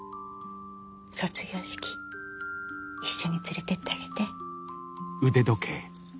卒業式一緒に連れてってあげて。